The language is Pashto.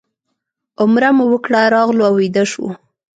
عمره مو وکړه راغلو او ویده شوو.